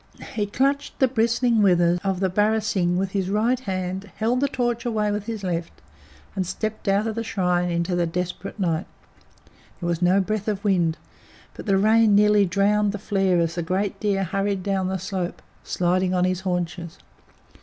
He clutched the bristling withers of the barasingh with his right hand, held the torch away with his left, and stepped out of the shrine into the desperate night. There was no breath of wind, but the rain nearly drowned the flare as the great deer hurried down the slope, sliding on his haunches.